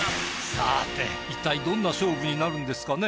さあていったいどんな勝負になるんですかね。